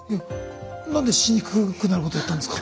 何でしにくくなることやったんですか？